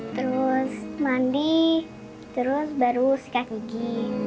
terus mandi terus baru sekat pergi